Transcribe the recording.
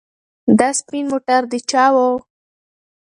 دا سپین موټر د چا و؟